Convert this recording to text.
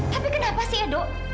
tapi kenapa sih edu